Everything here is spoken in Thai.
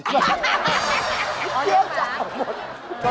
เยอะน่ะ